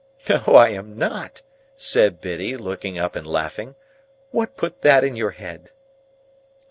"No I am not," said Biddy, looking up and laughing. "What put that in your head?"